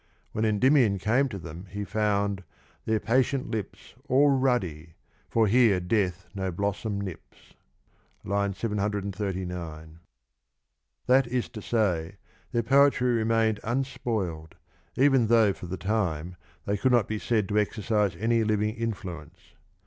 When Endymion came to them he found their patient lips All ruddy, — for here death no blossom nips (III. 739) That is to say, their poetry remained unspoiled, even though for the time they could not be said to exercise any living influence.